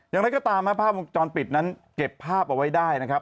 อย่างไรก็ตามภาพวงจรปิดนั้นเก็บภาพเอาไว้ได้นะครับ